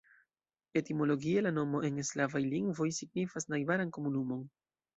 Etimologie la nomo en slavaj lingvoj signifas najbaran komunumon.